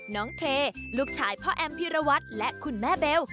น้องเทลูกชายพ่อแอมพิรวัตรและคุณแม่เบล